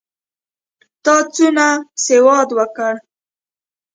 تا څونه سودا وکړه؟